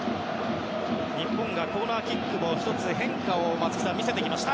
日本がコーナーキックで１つ、変化を見せてきました。